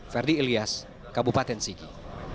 ferdy ilyas kabupaten sigi